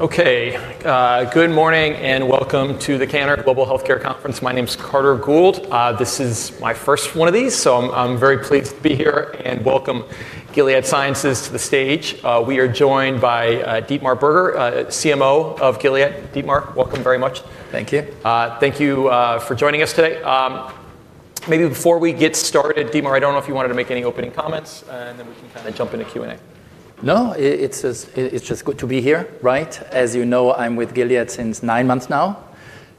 Okay, good morning and welcome to the Cantor Global Healthcare Conference. My name is Carter Gould. This is my first one of these, so I'm very pleased to be here and welcome Gilead Sciences to the stage. We are joined by Dietmar Berger, CMO of Gilead. Dietmar, welcome very much. Thank you. Thank you for joining us today. Maybe before we get started, Dietmar, I don't know if you wanted to make any opening comments, and then we can kind of jump into Q&A. No, it's just good to be here, right? As you know, I'm with Gilead since nine months now.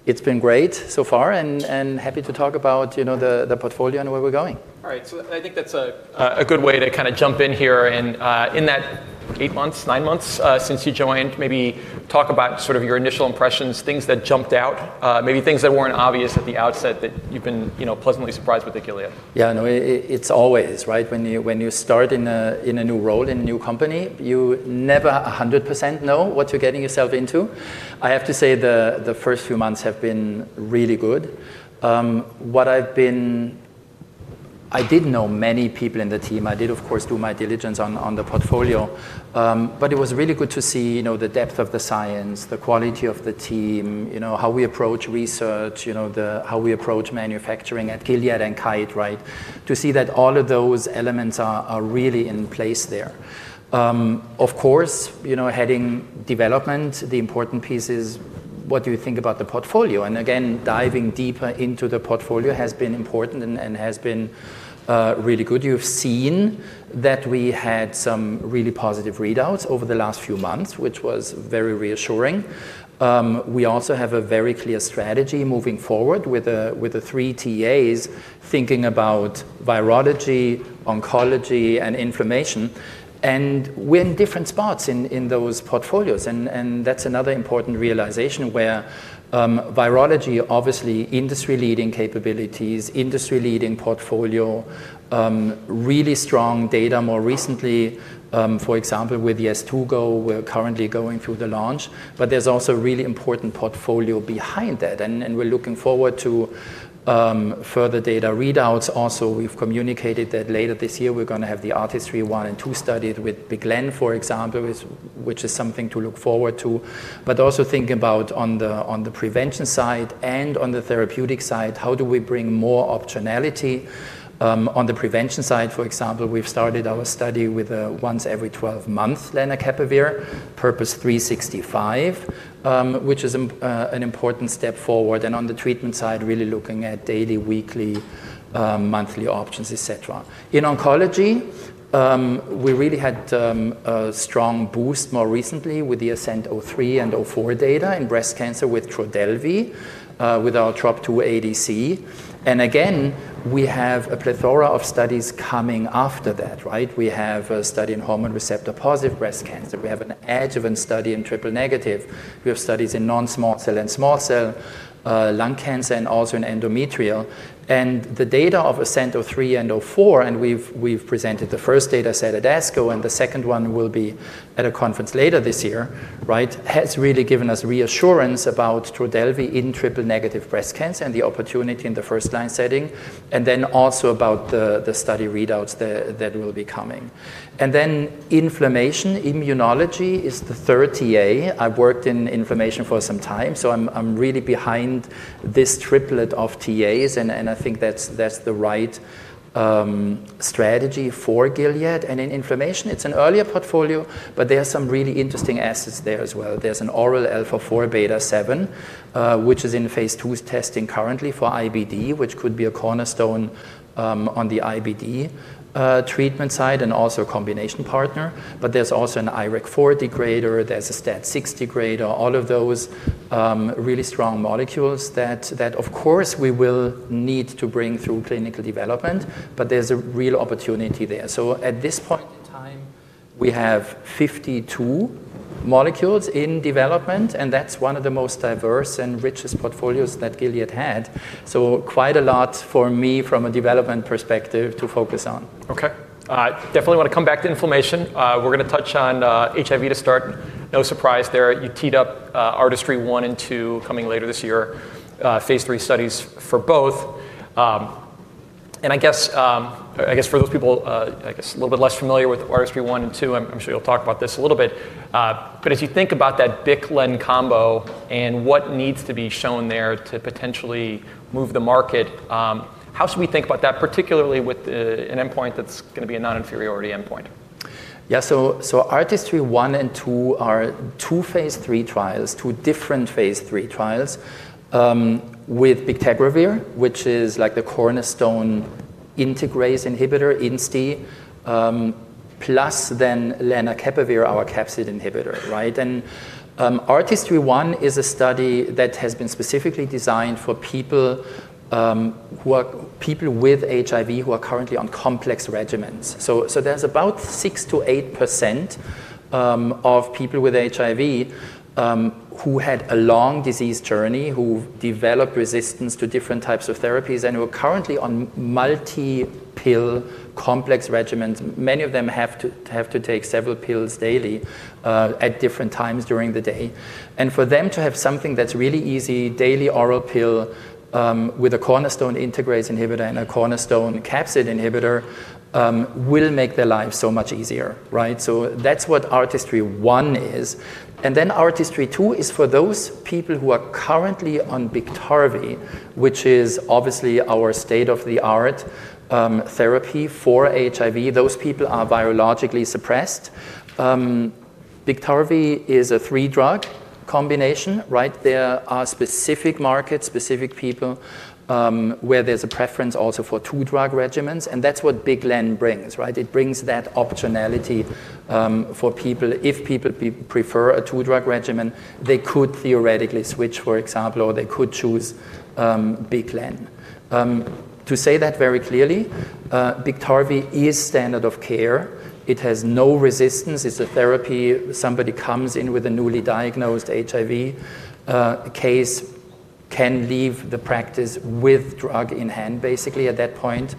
It's been great so far, and happy to talk about the portfolio and where we're going. All right, so I think that's a good way to kind of jump in here. In that eight months, nine months since you joined, maybe talk about sort of your initial impressions, things that jumped out, maybe things that weren't obvious at the outset that you've been pleasantly surprised with at Gilead. Yeah, no, it's always, right? When you start in a new role, in a new company, you never 100% know what you're getting yourself into. I have to say the first few months have been really good. What I've been, I did know many people in the team. I did, of course, do my diligence on the portfolio, but it was really good to see the depth of the science, the quality of the team, how we approach research, how we approach manufacturing at Gilead and Kite, right? To see that all of those elements are really in place there. Of course, heading development, the important piece is what do you think about the portfolio? And again, diving deeper into the portfolio has been important and has been really good. You've seen that we had some really positive readouts over the last few months, which was very reassuring. We also have a very clear strategy moving forward with the three TAs thinking about virology, oncology, and inflammation. And we're in different spots in those portfolios. And that's another important realization where virology, obviously industry-leading capabilities, industry-leading portfolio, really strong data more recently, for example, with Sunlenca, we're currently going through the launch. But there's also a really important portfolio behind that. And we're looking forward to further data readouts. Also, we've communicated that later this year we're going to have the ARTISTRY-1 and ARTISTRY-2 studies with BIC/LEN, for example, which is something to look forward to. But also thinking about on the prevention side and on the therapeutic side, how do we bring more optionality? On the prevention side, for example, we've started our study with a once every 12 months lenacapavir, PURPOSE 365, which is an important step forward. On the treatment side, really looking at daily, weekly, monthly options, et cetera. In oncology, we really had a strong boost more recently with the ASCENT-03 and ASCENT-04 data in breast cancer with Trodelvy, with our TROP2 ADC. And again, we have a plethora of studies coming after that, right? We have a study in hormone receptor-positive breast cancer. We have an adjuvant study in triple-negative. We have studies in non-small cell and small cell lung cancer, and also in endometrial cancer. And the data of ASCENT-03 and ASCENT-04, and we've presented the first data set at ASCO, and the second one will be at a conference later this year, right? Has really given us reassurance about Trodelvy in triple-negative breast cancer and the opportunity in the first-line setting. And then also about the study readouts that will be coming. And then inflammation, immunology is the third TA. I've worked in inflammation for some time, so I'm really behind this triplet of TAs, and I think that's the right strategy for Gilead. In inflammation, it's an earlier portfolio, but there are some really interesting assets there as well. There's an oral alpha-4 beta-7, which is in phase II testing currently for IBD, which could be a cornerstone on the IBD treatment side and also a combination partner. But there's also an IRAK4 degrader, there's a STAT6 degrader, all of those really strong molecules that, of course, we will need to bring through clinical development, but there's a real opportunity there. At this point in time, we have 52 molecules in development, and that's one of the most diverse and richest portfolios that Gilead had. Quite a lot for me from a development perspective to focus on. Okay, definitely want to come back to inflammation. We're going to touch on HIV to start. No surprise there. You teed up ARTISTRY-1 and 2 coming later this year, phase III studies for both. And I guess for those people, I guess a little bit less familiar with ARTISTRY-1 and 2, I'm sure you'll talk about this a little bit. But as you think about that BIC/LEN combo and what needs to be shown there to potentially move the market, how should we think about that, particularly with an endpoint that's going to be a non-inferiority endpoint? Yeah, so ARTISTRY-1 and 2 are two phase III trials, two different phase III trials with Bictegravir, which is like the cornerstone integrase inhibitor, INSTI, plus then lenacapavir, our capsid inhibitor, right? And ARTISTRY-1 is a study that has been specifically designed for people with HIV who are currently on complex regimens. So there's about 6%-8% of people with HIV who had a long disease journey, who developed resistance to different types of therapies, and who are currently on multi-pill complex regimens. Many of them have to take several pills daily at different times during the day. And for them to have something that's really easy, daily oral pill with a cornerstone integrase inhibitor and a cornerstone capsid inhibitor will make their life so much easier, right? So that's what ARTISTRY-1 is. ARTISTRY-2 is for those people who are currently on Biktarvy, which is obviously our state-of-the-art therapy for HIV. Those people are virologically suppressed. Biktarvy is a three-drug combination, right? There are specific markets, specific people where there's a preference also for two-drug regimens. And that's what BIC/LEN brings, right? It brings that optionality for people. If people prefer a two-drug regimen, they could theoretically switch, for example, or they could choose BIC/LEN. To say that very clearly, Biktarvy is standard of care. It has no resistance. It's a therapy. Somebody comes in with a newly diagnosed HIV case can leave the practice with drug in hand, basically, at that point.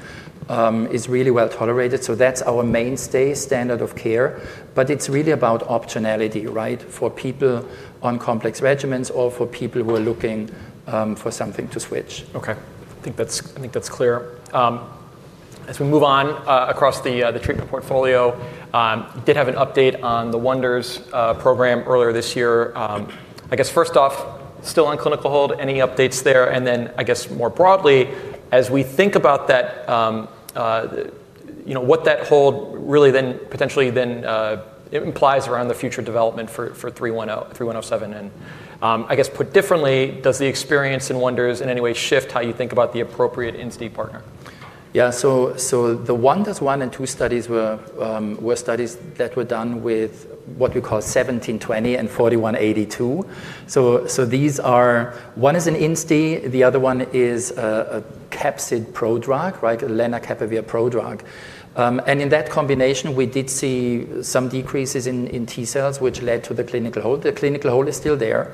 It's really well tolerated. So that's our mainstay standard of care. But it's really about optionality, right? For people on complex regimens or for people who are looking for something to switch. Okay, I think that's clear. As we move on across the treatment portfolio, did have an update on the WONDERS program earlier this year. I guess first off, still on clinical hold, any updates there? And then I guess more broadly, as we think about that, what that hold really then potentially implies around the future development for 3107? And I guess put differently, does the experience in WONDERS in any way shift how you think about the appropriate INSTI partner? Yeah, so the WONDERS-1 and 2 studies were studies that were done with what we call 1720 and 4182. So these are, one is an INSTI, the other one is a capsid prodrug, right? A lenacapavir prodrug. And in that combination, we did see some decreases in T cells, which led to the clinical hold. The clinical hold is still there.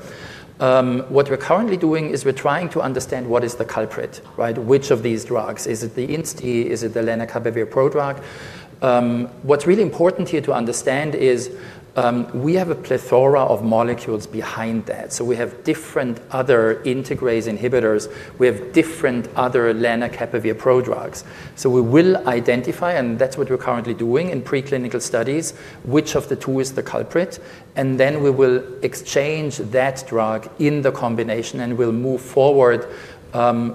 What we're currently doing is we're trying to understand what is the culprit, right? Which of these drugs? Is it the INSTI? Is it the lenacapavir prodrug? What's really important here to understand is we have a plethora of molecules behind that. So we have different other integrase inhibitors. We have different other lenacapavir prodrugs. So we will identify, and that's what we're currently doing in preclinical studies, which of the two is the culprit. And then we will exchange that drug in the combination and we'll move forward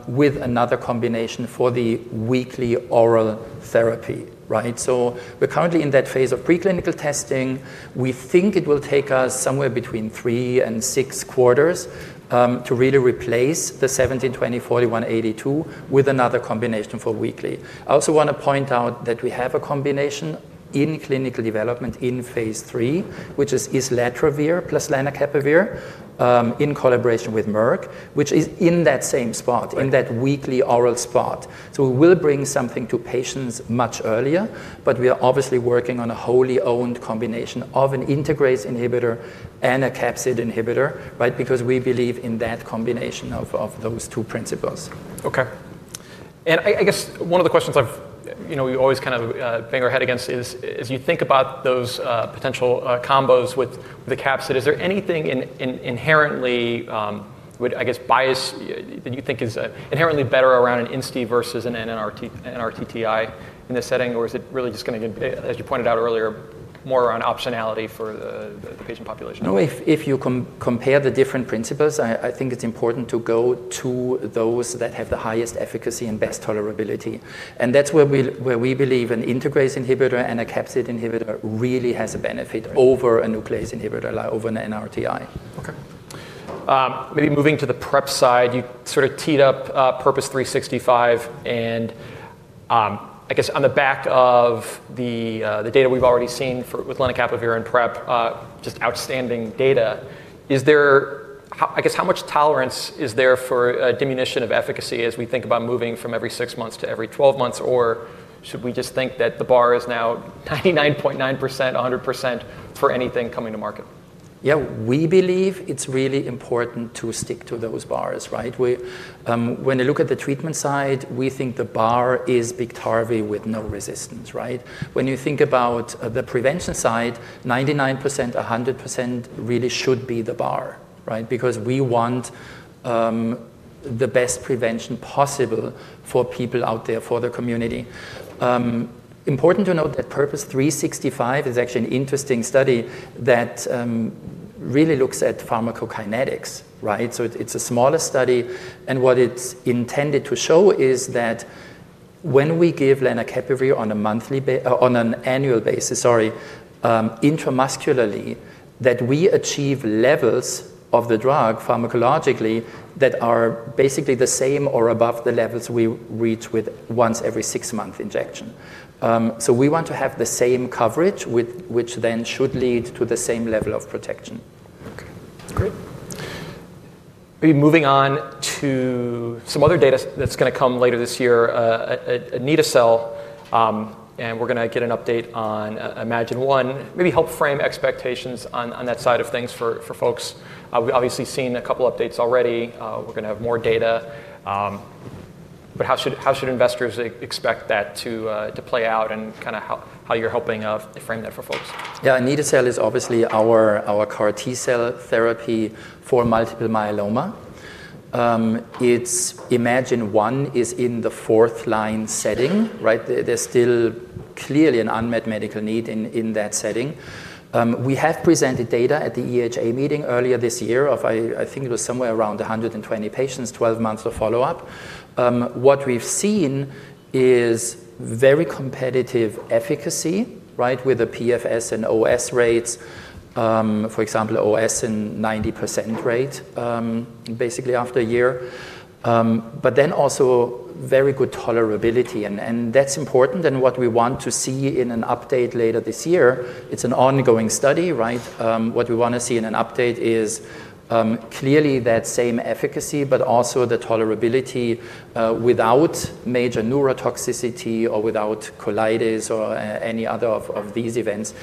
with another combination for the weekly oral therapy, right? So we're currently in that phase of preclinical testing. We think it will take us somewhere between three and six quarters to really replace the GS-1720, GS-4182 with another combination for weekly. I also want to point out that we have a combination in clinical development in phase III, which is islatravir plus lenacapavir in collaboration with Merck, which is in that same spot, in that weekly oral spot. So we will bring something to patients much earlier, but we are obviously working on a wholly owned combination of an integrase inhibitor and a capsid inhibitor, right? Because we believe in that combination of those two principles. Okay, and I guess one of the questions I've always kind of banged our head against is, as you think about those potential combos with the capsid, is there anything inherently, I guess, biased that you think is inherently better around an INSTI versus an NRTTI in this setting? Or is it really just going to, as you pointed out earlier, more around optionality for the patient population? No, if you compare the different principles, I think it's important to go to those that have the highest efficacy and best tolerability, and that's where we believe an integrase inhibitor and a capsid inhibitor really has a benefit over a non-nucleoside inhibitor, over an NRTI. Okay, maybe moving to the PrEP side, you sort of teed up PURPOSE 365. And I guess on the back of the data we've already seen with lenacapavir and PrEP, just outstanding data, is there, I guess, how much tolerance is there for a diminution of efficacy as we think about moving from every six months to every 12 months? Or should we just think that the bar is now 99.9%, 100% for anything coming to market? Yeah, we believe it's really important to stick to those bars, right? When you look at the treatment side, we think the bar is Biktarvy with no resistance, right? When you think about the prevention side, 99%, 100% really should be the bar, right? Because we want the best prevention possible for people out there, for the community. Important to note that PURPOSE 365 is actually an interesting study that really looks at pharmacokinetics, right? So it's a smaller study. And what it's intended to show is that when we give lenacapavir on an annual basis, sorry, intramuscularly, that we achieve levels of the drug pharmacologically that are basically the same or above the levels we reach with once every six-month injection. So we want to have the same coverage, which then should lead to the same level of protection. Okay, great. Maybe moving on to some other data that's going to come later this year, anito-cel, and we're going to get an update on iMMagine-1, maybe help frame expectations on that side of things for folks. We've obviously seen a couple of updates already. We're going to have more data. But how should investors expect that to play out and kind of how you're helping frame that for folks? Yeah, anito-cel is obviously our core T-cell therapy for multiple myeloma. iMMagine-1 is in the fourth-line setting, right? There's still clearly an unmet medical need in that setting. We have presented data at the EHA meeting earlier this year of, I think it was somewhere around 120 patients, 12 months of follow-up. What we've seen is very competitive efficacy, right? With the PFS and OS rates, for example, OS at 90% rate basically after a year. But then also very good tolerability, and that's important. What we want to see in an update later this year, it's an ongoing study, right? What we want to see in an update is clearly that same efficacy, but also the tolerability without major neurotoxicity or without colitis or any other of these events.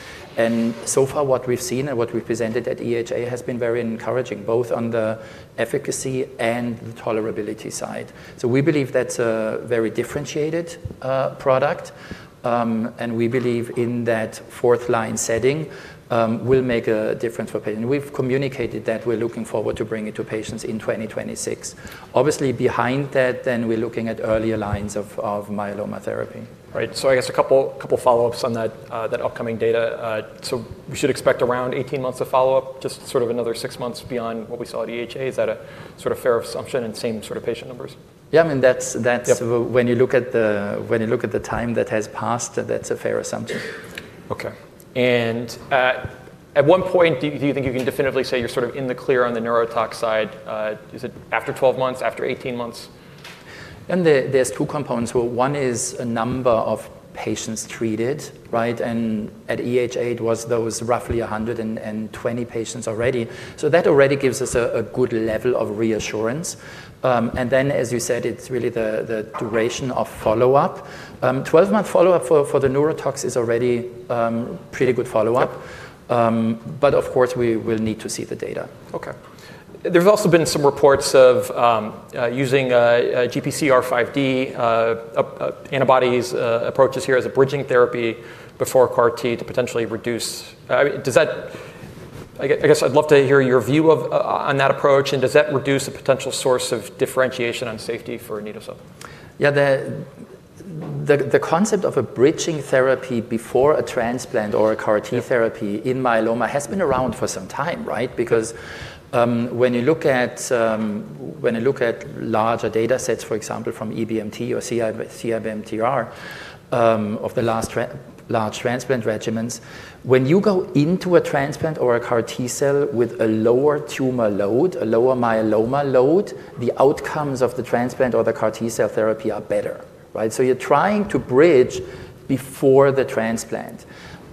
So far, what we've seen and what we've presented at EHA has been very encouraging, both on the efficacy and the tolerability side. So we believe that's a very differentiated product. We believe in that fourth-line setting will make a difference for patients. We've communicated that we're looking forward to bringing it to patients in 2026. Obviously, behind that, then we're looking at earlier lines of myeloma therapy. Right, so I guess a couple of follow-ups on that upcoming data. So we should expect around 18 months of follow-up, just sort of another six months beyond what we saw at EHA. Is that a sort of fair assumption and same sort of patient numbers? Yeah, I mean, that's when you look at the time that has passed, that's a fair assumption. Okay, and at one point, do you think you can definitively say you're sort of in the clear on the neurotox side? Is it after 12 months, after 18 months? There's two components. One is a number of patients treated, right? And at EHA, it was those roughly 120 patients already. So that already gives us a good level of reassurance. And then, as you said, it's really the duration of follow-up. 12-month follow-up for the neurotoxicity is already pretty good follow-up. But of course, we will need to see the data. Okay, there's also been some reports of using GPRC5D antibodies approaches here as a bridging therapy before CAR-T to potentially reduce. I guess I'd love to hear your view on that approach. And does that reduce a potential source of differentiation on safety for anito-cel? Yeah, the concept of a bridging therapy before a transplant or a CAR-T therapy in myeloma has been around for some time, right? Because when you look at larger data sets, for example, from EBMT or CIBMTR of the last large transplant regimens, when you go into a transplant or a CAR-T cell with a lower tumor load, a lower myeloma load, the outcomes of the transplant or the CAR-T cell therapy are better, right? So you're trying to bridge before the transplant.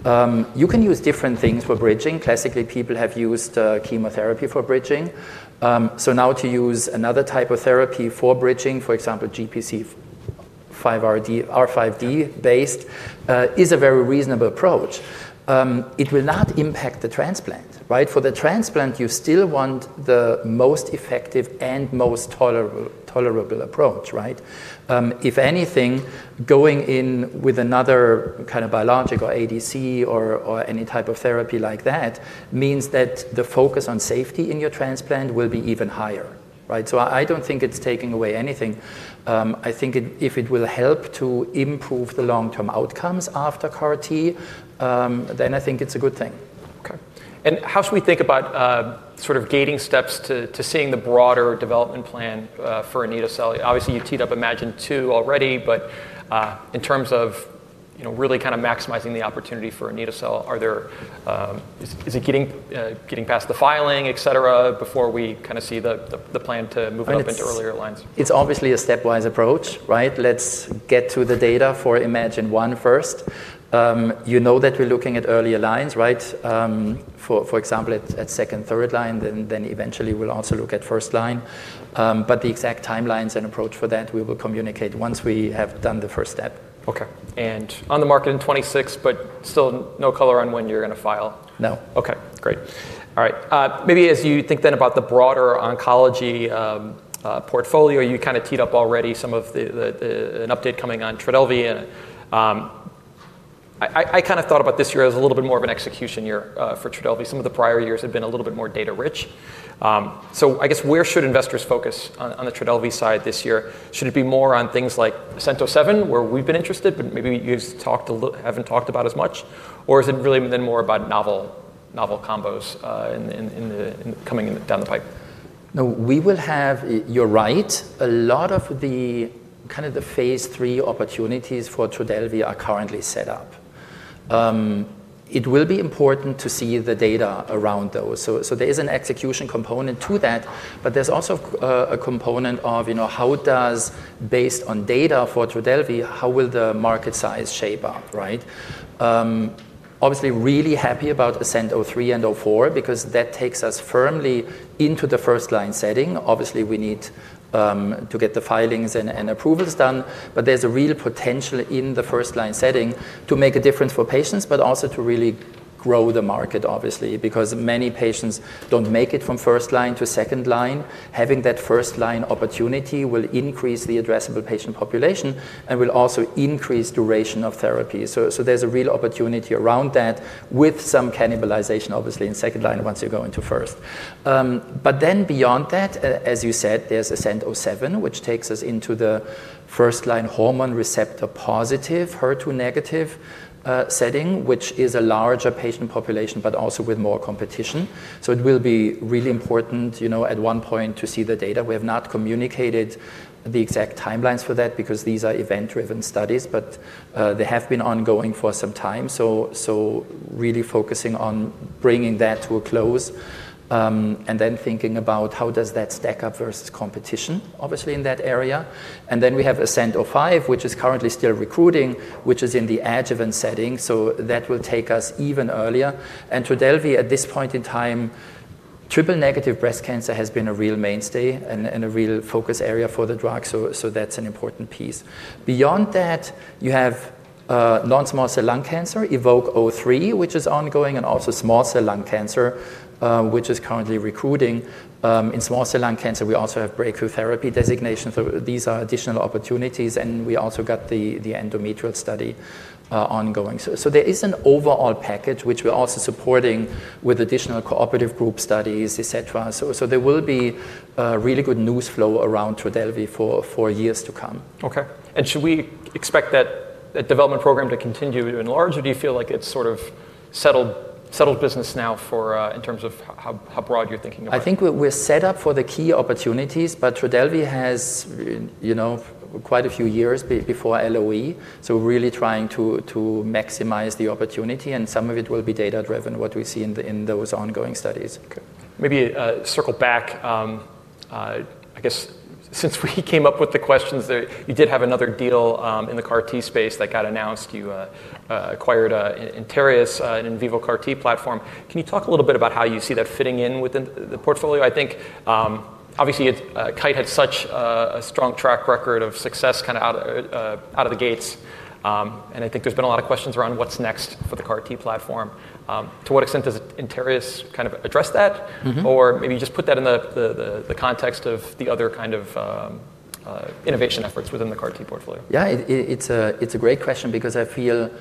You can use different things for bridging. Classically, people have used chemotherapy for bridging. So now to use another type of therapy for bridging, for example, GPRC5D-based, is a very reasonable approach. It will not impact the transplant, right? For the transplant, you still want the most effective and most tolerable approach, right? If anything, going in with another kind of biologic or ADC or any type of therapy like that means that the focus on safety in your transplant will be even higher, right? So I don't think it's taking away anything. I think if it will help to improve the long-term outcomes after CAR-T, then I think it's a good thing. Okay, and how should we think about sort of gating steps to seeing the broader development plan for anito-cel? Obviously, you teed up iMMagine-2 already, but in terms of really kind of maximizing the opportunity for anito-cel, is it getting past the filing, et cetera, before we kind of see the plan to move up into earlier lines? It's obviously a stepwise approach, right? Let's get to the data for iMMagine-1 first. You know that we're looking at earlier lines, right? For example, at second, third line, then eventually we'll also look at first line. But the exact timelines and approach for that, we will communicate once we have done the first step. Okay, and on the market in 2026, but still no color on when you're going to file. No. Okay, great. All right, maybe as you think then about the broader oncology portfolio, you kind of teed up already some of an update coming on Trodelvy and I kind of thought about this year as a little bit more of an execution year for Trodelvy. Some of the prior years have been a little bit more data-rich. So I guess where should investors focus on the Trodelvy side this year? Should it be more on things like ASCENT-07, where we've been interested, but maybe you haven't talked about as much? Or is it really then more about novel combos coming down the pipe? No, we will have, you're right, a lot of the kind of phase III opportunities for Trodelvy are currently set up. It will be important to see the data around those. So there is an execution component to that, but there's also a component of how does, based on data for Trodelvy, how will the market size shape up, right? Obviously, really happy about ASCENT-03 and ASCENT-04 because that takes us firmly into the first line setting. Obviously, we need to get the filings and approvals done, but there's a real potential in the first line setting to make a difference for patients, but also to really grow the market, obviously, because many patients don't make it from first line to second line. Having that first line opportunity will increase the addressable patient population and will also increase duration of therapy. So there's a real opportunity around that with some cannibalization, obviously, in second line once you go into first. But then beyond that, as you said, there's ASCENT-07, which takes us into the first line hormone receptor-positive, HER2-negative setting, which is a larger patient population, but also with more competition. So it will be really important at one point to see the data. We have not communicated the exact timelines for that because these are event-driven studies, but they have been ongoing for some time. So really focusing on bringing that to a close and then thinking about how does that stack up versus competition, obviously, in that area. And then we have ASCENT-05, which is currently still recruiting, which is in the adjuvant setting. So that will take us even earlier. Trodelvy, at this point in time, triple-negative breast cancer has been a real mainstay and a real focus area for the drug. That's an important piece. Beyond that, you have non-small cell lung cancer, EVOKE-03, which is ongoing, and also small cell lung cancer, which is currently recruiting. In small cell lung cancer, we also have breakthrough therapy designation. These are additional opportunities. We also got the endometrial study ongoing. There is an overall package, which we're also supporting with additional cooperative group studies, et cetera. There will be really good news flow around Trodelvy for years to come. Okay, and should we expect that development program to continue to enlarge, or do you feel like it's sort of settled business now in terms of how broad you're thinking about it? I think we're set up for the key opportunities, but Trodelvy has quite a few years before LOE. So we're really trying to maximize the opportunity, and some of it will be data-driven, what we see in those ongoing studies. Okay, maybe circle back. I guess since we came up with the questions, you did have another deal in the CAR-T space that got announced. You acquired Interius and in vivo CAR-T platform. Can you talk a little bit about how you see that fitting in within the portfolio? I think obviously Kite had such a strong track record of success kind of out of the gates. And I think there's been a lot of questions around what's next for the CAR-T platform. To what extent does Interius kind of address that? Or maybe just put that in the context of the other kind of innovation efforts within the CAR-T portfolio? Yeah, it's a great question because I feel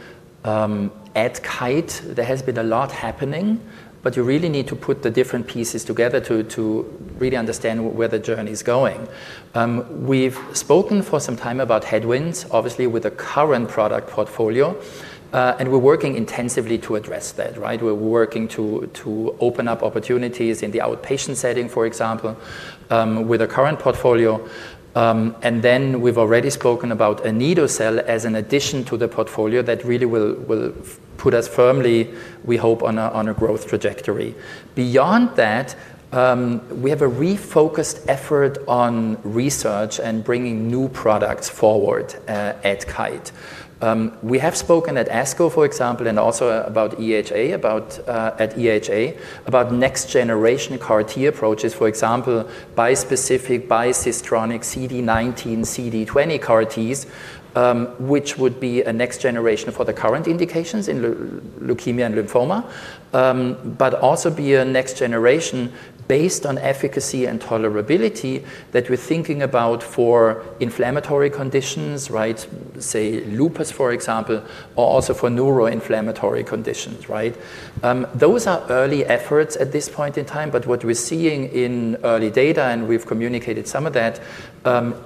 at Kite, there has been a lot happening, but you really need to put the different pieces together to really understand where the journey is going. We've spoken for some time about headwinds, obviously, with the current product portfolio. And we're working intensively to address that, right? We're working to open up opportunities in the outpatient setting, for example, with a current portfolio. And then we've already spoken about anito-cel as an addition to the portfolio that really will put us firmly, we hope, on a growth trajectory. Beyond that, we have a refocused effort on research and bringing new products forward at Kite. We have spoken at ASCO, for example, and also about EHA, about next-generation CAR-T approaches, for example, bispecific, bicistronic, CD19, CD20 CAR-Ts, which would be a next generation for the current indications in leukemia and lymphoma, but also be a next generation based on efficacy and tolerability that we're thinking about for inflammatory conditions, right? Say lupus, for example, or also for neuroinflammatory conditions, right? Those are early efforts at this point in time, but what we're seeing in early data, and we've communicated some of that,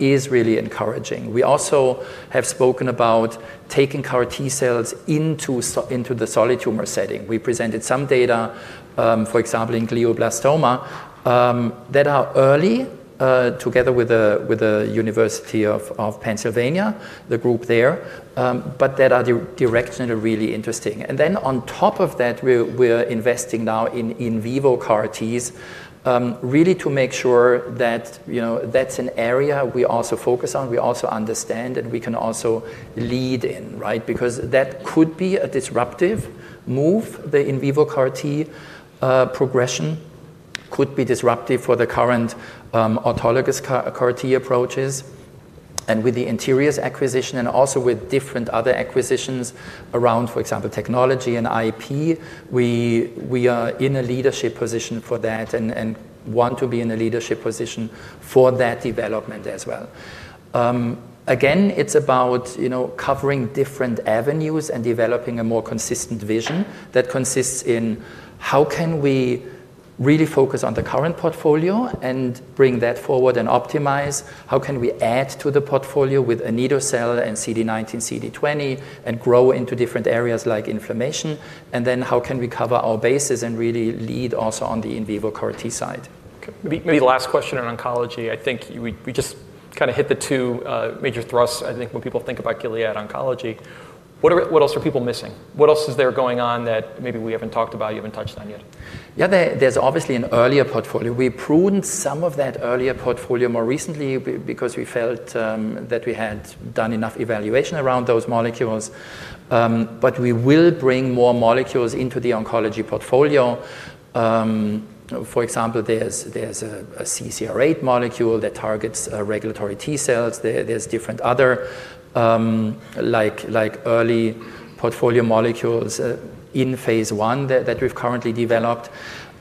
is really encouraging. We also have spoken about taking CAR-T cells into the solid tumor setting. We presented some data, for example, in glioblastoma that are early, together with the University of Pennsylvania, the group there, but that are directionally really interesting. And then on top of that, we're investing now in vivo CAR-Ts, really to make sure that that's an area we also focus on, we also understand, and we can also lead in, right? Because that could be a disruptive move. The in vivo CAR-T progression could be disruptive for the current autologous CAR-T approaches. And with the Interius acquisition and also with different other acquisitions around, for example, technology and IP, we are in a leadership position for that and want to be in a leadership position for that development as well. Again, it's about covering different avenues and developing a more consistent vision that consists in how can we really focus on the current portfolio and bring that forward and optimize? How can we add to the portfolio with anito-cel and CD19, CD20, and grow into different areas like inflammation? And then how can we cover our bases and really lead also on the in vivo CAR-T side? Maybe the last question on oncology. I think we just kind of hit the two major thrusts. I think when people think about Gilead Oncology, what else are people missing? What else is there going on that maybe we haven't talked about, you haven't touched on yet? Yeah, there's obviously an earlier portfolio. We pruned some of that earlier portfolio more recently because we felt that we had done enough evaluation around those molecules. But we will bring more molecules into the oncology portfolio. For example, there's a CCR8 molecule that targets regulatory T cells. There's different other early portfolio molecules in phase I that we've currently developed.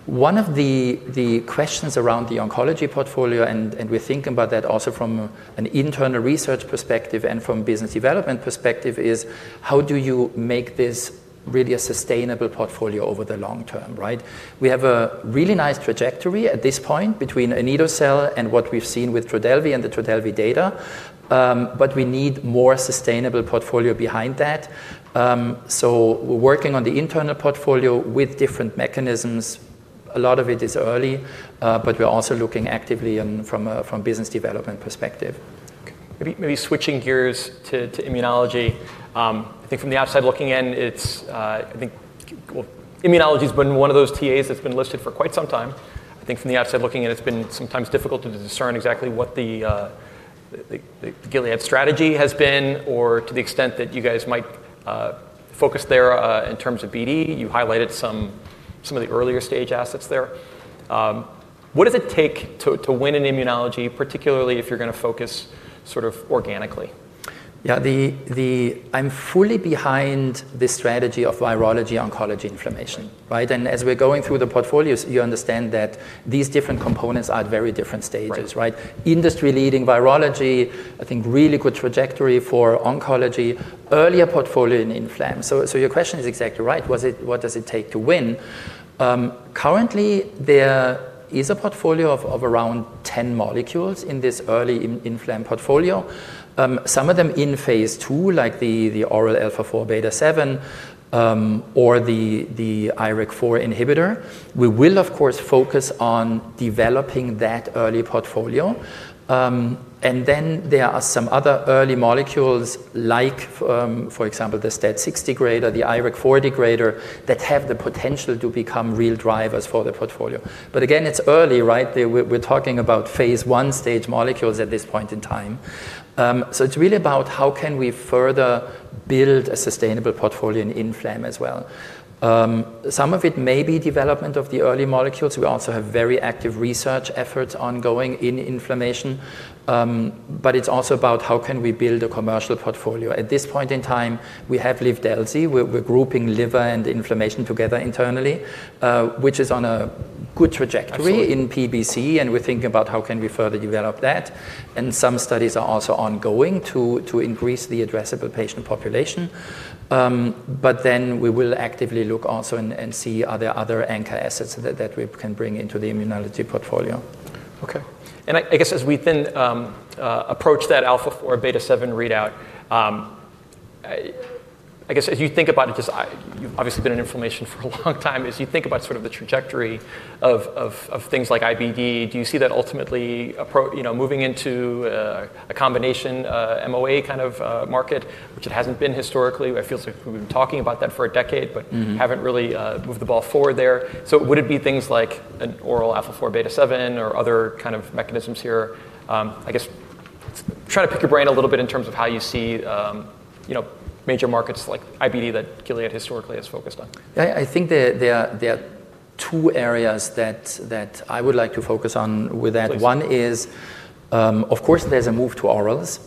One of the questions around the oncology portfolio, and we're thinking about that also from an internal research perspective and from a business development perspective, is how do you make this really a sustainable portfolio over the long term, right? We have a really nice trajectory at this point between anito-cel and what we've seen with Trodelvy and the Trodelvy data, but we need more sustainable portfolio behind that. So we're working on the internal portfolio with different mechanisms. A lot of it is early, but we're also looking actively from a business development perspective. Maybe switching gears to immunology. I think from the outside looking in, I think immunology has been one of those TAs that's been listed for quite some time. I think from the outside looking in, it's been sometimes difficult to discern exactly what the Gilead strategy has been or to the extent that you guys might focus there in terms of BD. You highlighted some of the earlier stage assets there. What does it take to win in immunology, particularly if you're going to focus sort of organically? Yeah, I'm fully behind the strategy of virology oncology inflammation, right? And as we're going through the portfolios, you understand that these different components are at very different stages, right? Industry-leading virology, I think really good trajectory for oncology, earlier portfolio in inflam. So your question is exactly right. What does it take to win? Currently, there is a portfolio of around 10 molecules in this early inflam portfolio, some of them in phase II, like the oral alpha-4 beta-7 or the IRAK4 inhibitor. We will, of course, focus on developing that early portfolio. And then there are some other early molecules, like, for example, the STAT6 degrader, the IRAK4 degrader, that have the potential to become real drivers for the portfolio. But again, it's early, right? We're talking about phase I stage molecules at this point in time. It's really about how can we further build a sustainable portfolio in inflammation as well. Some of it may be development of the early molecules. We also have very active research efforts ongoing in inflammation, but it's also about how can we build a commercial portfolio. At this point in time, we have Livdelzi. We're grouping liver and inflammation together internally, which is on a good trajectory in PBC, and we're thinking about how can we further develop that. Some studies are also ongoing to increase the addressable patient population. Then we will actively look also and see are there other anchor assets that we can bring into the immunology portfolio. Okay, and I guess as we then approach that alpha-4 beta-7 readout, I guess as you think about it, just you've obviously been in inflammation for a long time. As you think about sort of the trajectory of things like IBD, do you see that ultimately moving into a combination MOA kind of market, which it hasn't been historically? It feels like we've been talking about that for a decade, but haven't really moved the ball forward there. So would it be things like an oral alpha-4 beta-7 or other kind of mechanisms here? I guess trying to pick your brain a little bit in terms of how you see major markets like IBD that Gilead historically has focused on. Yeah, I think there are two areas that I would like to focus on with that. One is, of course, there's a move to orals,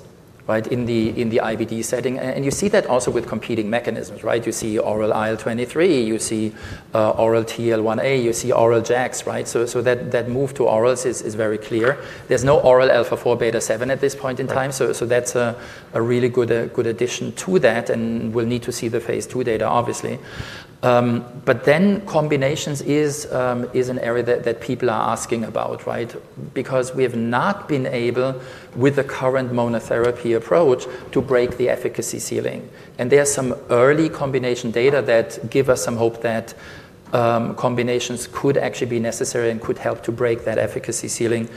right, in the IBD setting. And you see that also with competing mechanisms, right? You see oral IL-23, you see oral TL1A, you see oral JAKs, right? So that move to orals is very clear. There's no oral alpha-4 beta-7 at this point in time. So that's a really good addition to that, and we'll need to see the phase II data, obviously. But then combinations is an area that people are asking about, right? Because we have not been able, with the current monotherapy approach, to break the efficacy ceiling. And there's some early combination data that give us some hope that combinations could actually be necessary and could help to break that efficacy ceiling.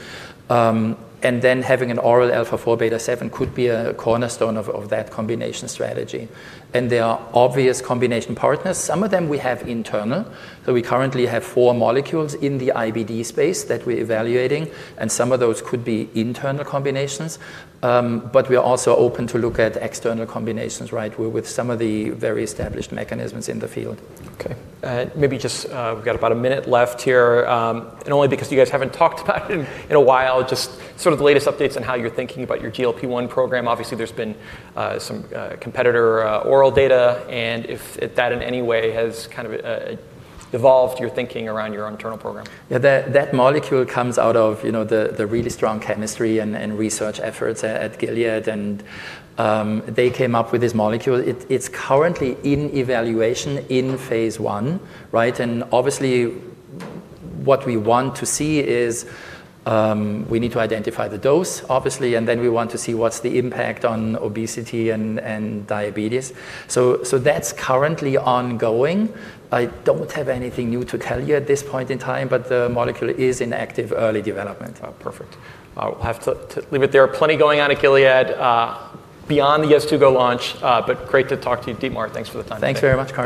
And then having an oral alpha-4 beta-7 could be a cornerstone of that combination strategy. And there are obvious combination partners. Some of them we have internal. So we currently have four molecules in the IBD space that we're evaluating, and some of those could be internal combinations. But we're also open to look at external combinations, right, with some of the very established mechanisms in the field. Okay, maybe just we've got about a minute left here. And only because you guys haven't talked about it in a while, just sort of the latest updates on how you're thinking about your GLP-1 program. Obviously, there's been some competitor oral data, and if that in any way has kind of evolved your thinking around your own internal program? Yeah, that molecule comes out of the really strong chemistry and research efforts at Gilead, and they came up with this molecule. It's currently in evaluation in phase I, right, and obviously, what we want to see is we need to identify the dose, obviously, and then we want to see what's the impact on obesity and diabetes, so that's currently ongoing. I don't have anything new to tell you at this point in time, but the molecule is in active early development. Perfect. I'll have to leave it there. Plenty going on at Gilead beyond the Yeztugo launch, but great to talk to you, Dietmar. Thanks for the time. Thanks very much.